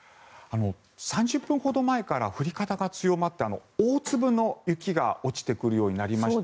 ３０分ほど前から降り方が強まって大粒の雪が落ちてくるようになりました。